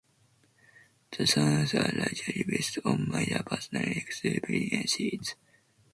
The songs are largely based on Mayer's personal experiences.